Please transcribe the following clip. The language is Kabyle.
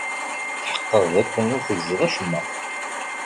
Ttḥeqqeɣ dakken ur tegziḍ acemma.